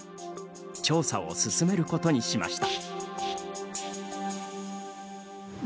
調査を進めることにしました。